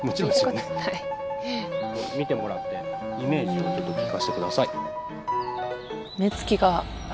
見てもらってイメージをちょっと聞かせて下さい。